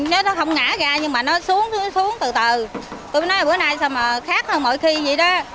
nó ngã ra nhưng mà nó xuống xuống từ từ tôi mới nói là bữa nay sao mà khác hơn mỗi khi vậy đó